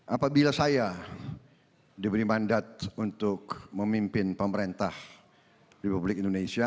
apabila saya diberi mandat untuk memimpin pemerintah republik indonesia